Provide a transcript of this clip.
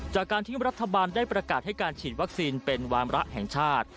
จากการที่รัฐบาลได้ประกาศให้การฉีดวัคซีนเป็นวามระแห่งชาติ